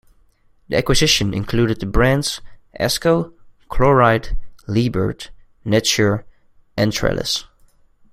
The acquisition included the brands: Asco, Chloride, Liebert, Netsure, and Trellis.